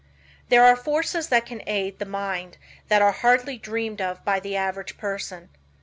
There are forces that can aid the mind that are hardly dreamed of by the average person.